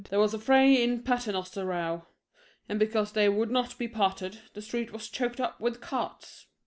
There was a fray in Paternoster row, and because they would not be parted, the street was choked up with carts.